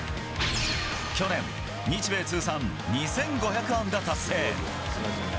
去年、日米通算２５００安打達成。